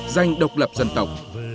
danh độc lập dân tộc